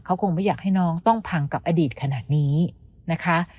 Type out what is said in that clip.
เขาคงไม่อยากให้น้องต้องพังกับอดีตขนาดนี้นะคะ